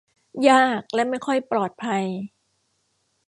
ยากและไม่ค่อยปลอดภัย